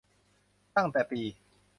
ตั้งแต่ปี